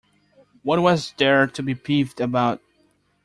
What was there to be peeved about?